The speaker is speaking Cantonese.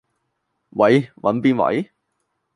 喂，搵邊位？